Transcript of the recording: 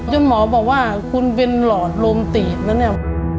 หมอบอกว่าคุณเป็นหลอดลมตีดนะเนี่ย